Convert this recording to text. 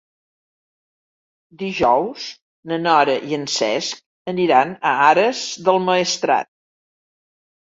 Dijous na Nora i en Cesc aniran a Ares del Maestrat.